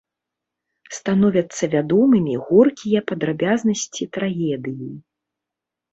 Становяцца вядомымі горкія падрабязнасці трагедыі.